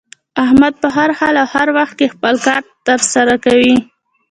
احمد په هر حالت او هر وخت کې خپل کار تر سره کوي.